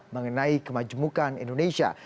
mengenai kemajemukan indonesia